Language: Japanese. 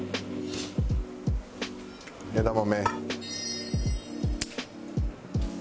枝豆。